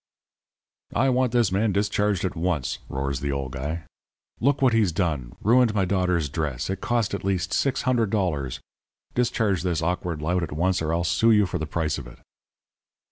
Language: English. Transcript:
"'I want this man discharged at once,' roars the old guy. 'Look what he's done. Ruined my daughter's dress. It cost at least $600. Discharge this awkward lout at once or I'll sue you for the price of it.'